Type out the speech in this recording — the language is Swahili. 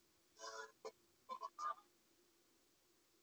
kama kuna vyama ambavyo vilipigwa marufuku kuwa kuwahalalisha tena